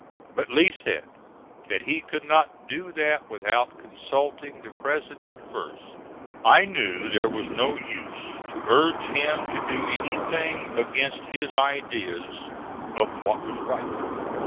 But Lee said, that he could not do that without consulting the President first. I knew there was no use to urge him to do anything against his ideas of what was right.